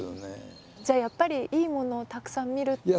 じゃあやっぱりいいものをたくさん見るっていう。